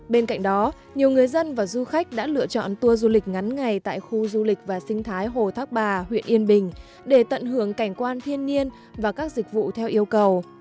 bên cạnh đó nhiều người dân và du khách đã lựa chọn tour du lịch ngắn ngày tại khu du lịch và sinh thái hồ thác bà huyện yên bình để tận hưởng cảnh quan thiên nhiên và các dịch vụ theo yêu cầu